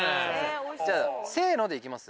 じゃあせのでいきます？